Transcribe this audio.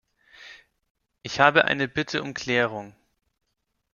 Ich habe eine Bitte um Klärung.